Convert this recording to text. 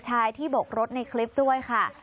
ชายที่บกรถในคลิปด้วยค่ะ